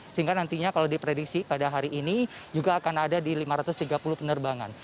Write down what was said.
sehingga nantinya kalau diprediksi pada hari ini juga akan ada di lima ratus tiga puluh penerbangan